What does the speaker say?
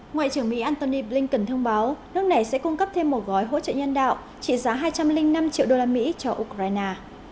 ngoại trưởng mỹ antony blinken thông báo nước này sẽ cung cấp thêm một gói hỗ trợ nhân đạo trị giá hai trăm linh năm triệu usd cho ukraine